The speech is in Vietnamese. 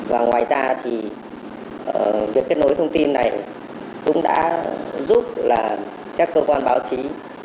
và ngoài ra thì việc kết nối thông tin này cũng đã giúp là các cơ quan báo chí